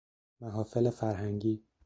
محافل فرهنگی